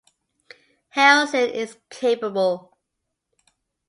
Harrison Is capable.